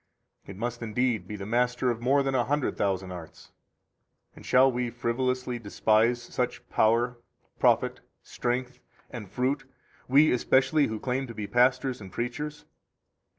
It must indeed be the master of more than a hundred thousand arts. 13 And shall we frivolously despise such power, profit, strength, and fruit we, especially, who claim to be pastors and preachers?